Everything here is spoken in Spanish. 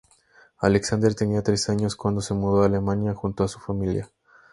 Alexander tenía tres años cuando se mudó a Alemania junto con su familia.